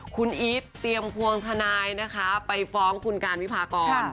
คุณอีฟเตรียมพวงทนายนะคะไปฟ้องคุณการวิพากร